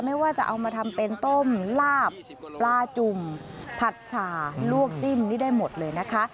ไม่ว่าจะเอามาทำเป็นต้มลาบปลาจุ่มผัดชาลวกจิ้มนี่ได้หมดเลยนะคะ